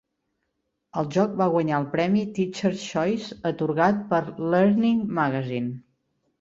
El joc va guanyar el Premi Teacher's Choice atorgat per Learning Magazine.